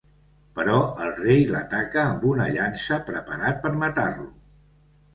Però el rei l'ataca amb una llança, preparat per matar-lo.